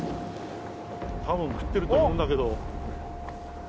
多分食ってると思うんだけど。